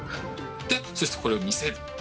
そして、これを見せる。